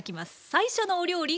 最初のお料理